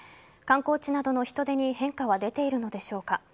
観光地などの人出に変化は出ているのでしょうか。